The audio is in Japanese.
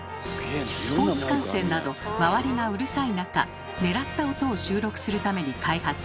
スポーツ観戦など周りがうるさい中狙った音を収録するために開発。